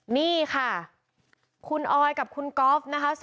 นี่ค่ะคุณออยกับคุณก๊อฟนะคะ